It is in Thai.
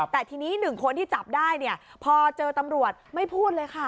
แต่ทีนี้หนึ่งคนที่จับได้เนี่ยพอเจอตำรวจไม่พูดเลยค่ะ